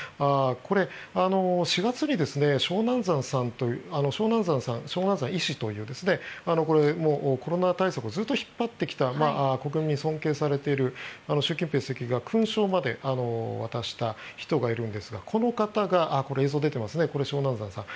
これ、４月にショウ・ナンザン医師というこれはコロナ対策をずっと引っ張ってきた国民に尊敬されている習近平主席が勲章まで渡した人がいるんですがこの方が映像が出ていますがこれがショウ・ナンザンさん。